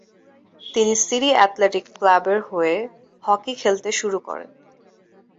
তিনি City Athletic ক্লাবের হয়ে হকি খেলতে শুরু করেন।